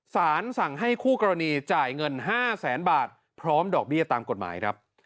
สารสั่งให้คู่กรณีจ่ายเงิน๕แสนบาทพร้อมดอกเบี้ยตามกฎหมายครับ